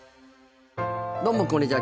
どうもこんにちは。